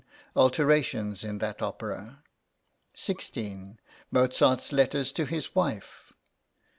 Alterations in that opera. 16. Mozart's letters to his wife.